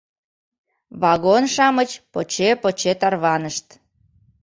Вагон-шамыч поче-поче тарванышт.